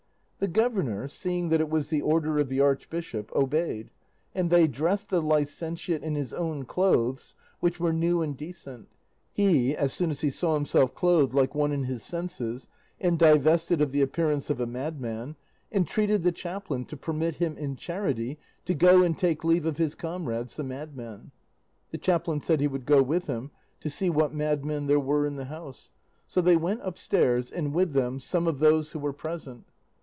The governor, seeing that it was the order of the Archbishop, obeyed, and they dressed the licentiate in his own clothes, which were new and decent. He, as soon as he saw himself clothed like one in his senses, and divested of the appearance of a madman, entreated the chaplain to permit him in charity to go and take leave of his comrades the madmen. The chaplain said he would go with him to see what madmen there were in the house; so they went upstairs, and with them some of those who were present.